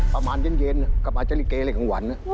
ประมาณเย็นกำลังจะลิเกย์อะไรของหวัน